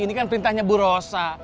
ini kan perintahnya bu rosa